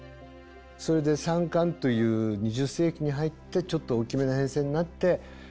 それで３管という２０世紀に入ってちょっと大きめの編成になって９０人前後。